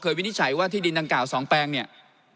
วินิจฉัยว่าที่ดินดังกล่าว๒แปลงเนี่ย